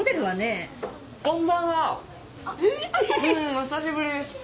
お久しぶりです。